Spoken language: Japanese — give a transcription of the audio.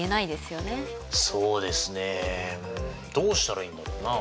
そうですねどうしたらいいんだろうな？